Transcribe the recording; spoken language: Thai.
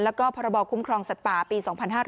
แล้วก็พรบคุ้มครองสัตว์ป่าปี๒๕๕๙